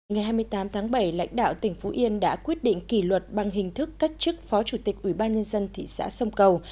ngày hai mươi tám tháng bảy lãnh đạo tỉnh phú yên đã quyết định kỳ luật bằng hình thức cách chức phó chủ tịch ubnd thị xã sông cầu